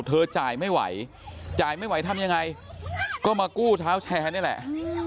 จ่ายไม่ไหวจ่ายไม่ไหวทำยังไงก็มากู้เท้าแชร์นี่แหละ